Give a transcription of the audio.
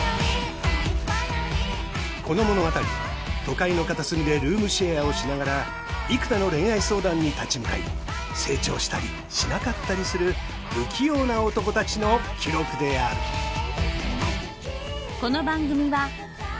この物語は都会の片隅でルームシェアをしながら幾多の恋愛相談に立ち向かい成長したりしなかったりする不器用な男たちの記録であるハァ。